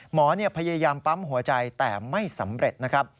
หมอพยายามปั๊มหัวใจแต่ไม่สำเร็จนะครับ